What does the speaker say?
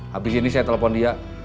habis ini saya telepon dia